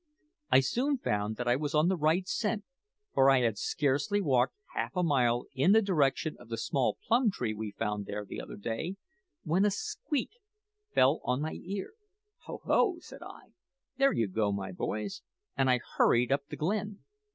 I soon found that I was on the right scent, for I had scarcely walked half a mile in the direction of the small plum tree we found there the other day when a squeak fell on my ear. `Ho, ho,' said I, `there you go, my boys;' and I hurried up the glen.